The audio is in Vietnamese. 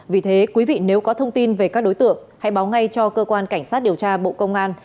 vì thế quý vị nếu có thông tin về các đối tượng hãy báo ngay cho cơ quan cảnh sát điều tra bộ công an